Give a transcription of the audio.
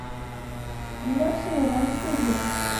تم نے اسے ناراض کیوں کیا؟